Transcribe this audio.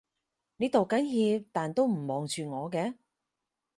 你道緊歉但都唔望住我嘅